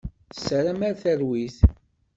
Tessaram ar talwit.